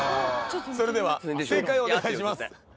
それでは正解をお願いします。